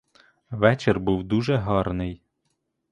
Вечір був дуже гарний.